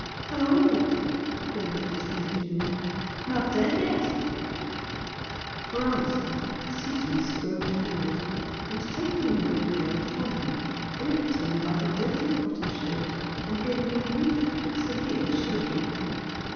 "Hello o!" called this individual. "Not dead yet?" For answer Seaton strode forward and taking the milk pail from him gripped him by the dirty cotton shirt and gave him a brief but severe shaking.